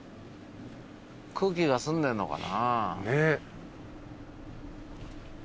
空気が澄んでるのかな。